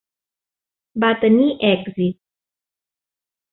Va tenir èxit.